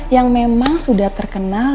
yang memang sudah terkenal